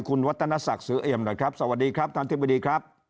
คุณวัตนศักดิ์เสื้อเอียมสวัสดีครับท่านอธิบดีครับ